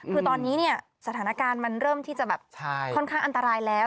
คือตอนนี้เนี่ยสถานการณ์มันเริ่มที่จะแบบค่อนข้างอันตรายแล้ว